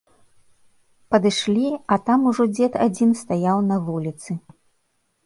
Падышлі, а тым ужо дзед адзін стаяў на вуліцы.